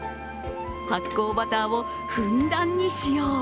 発酵バターをふんだんに使用。